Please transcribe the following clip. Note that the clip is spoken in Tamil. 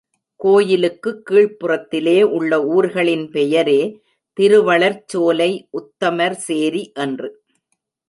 கோயிலுக்குக் கீழ்ப்புறத்திலே உள்ள ஊர்களின் பெயரே, திரு வளர்ச்சோலை, உத்தமர்சேரி என்று.